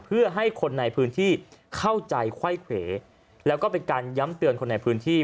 เพื่อให้คนในพื้นที่เข้าใจไขว้เขวแล้วก็เป็นการย้ำเตือนคนในพื้นที่